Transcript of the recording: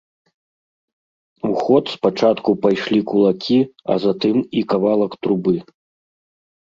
У ход спачатку пайшлі кулакі, а затым і кавалак трубы.